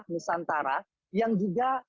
nusantara yang juga